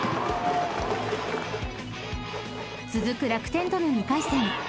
［続く楽天との２回戦］